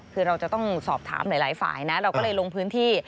คือเราจะต้องสอบถามหลายฝ่ายนะเราก็เลยลงพื้นที่